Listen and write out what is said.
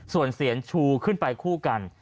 ส่วนเสียนชูขึ้นไปคู่กัน